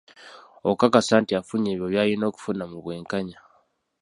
Okukakasa nti afunye ebyo by’alina okufuna mu bwenkanya.